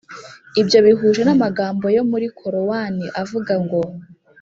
ibyo bihuje n’amagambo yo muri korowani avuga ngo